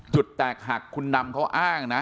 จุดแตกหักคุณนำเขาอ้างนะ